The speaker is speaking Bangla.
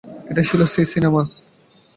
এটাই ছিলো সেই সিনেমা।